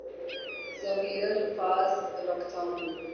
ذخیرہ الفاظ رکھتا ہوں